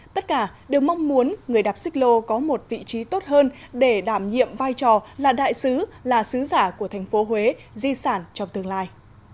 tất cả đều mong muốn người đạp xích lô có một vị trí tốt hơn để đảm nhiệm vai trò là đại sứ là sứ giả của thành phố huế di sản trong tương lai